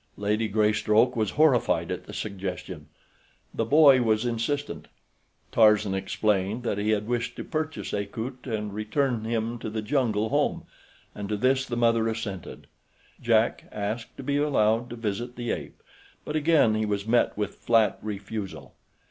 Lady Greystoke was horrified at the suggestion. The boy was insistent. Tarzan explained that he had wished to purchase Akut and return him to his jungle home, and to this the mother assented. Jack asked to be allowed to visit the ape, but again he was met with flat refusal.